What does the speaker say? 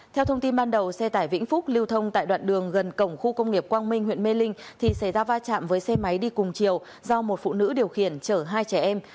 theo thông tin ban đầu xe tải vĩnh phúc lưu thông tại đoạn đường gần cổng khu công nghiệp quang minh huyện mê linh thì xảy ra va chạm với xe máy đi cùng chiều do một phụ nữ điều khiển chở hai trẻ em